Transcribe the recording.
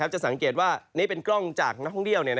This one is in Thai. จะสังเกตว่านี่เป็นกล้องจากนักท่องเที่ยว